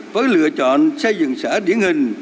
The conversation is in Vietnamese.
với lựa chọn xây dựng xã điển hình